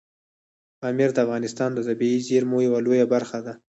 پامیر د افغانستان د طبیعي زیرمو یوه لویه برخه ده.